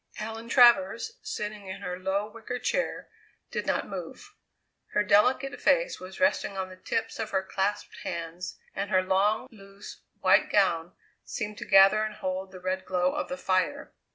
Helen Travers, sitting in her low wicker chair, did not move. Her delicate face was resting on the tips of her clasped hands, and her long, loose, white gown seemed to gather and hold the red glow of the fire.